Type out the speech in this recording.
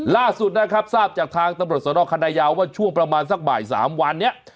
ล่าสุดนะครับทราบจากทางตำรวจสนคณะยาวว่าช่วงประมาณสักบ่าย๓วันนี้